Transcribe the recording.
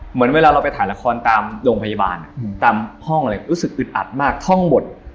เหมือนเวลาเราไปถ่ายละครตามโรงพยาบาลตามห้องอะไรรู้สึกอึดอัดมากท่องหมด